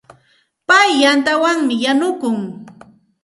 Pay yantawanmi yanukun.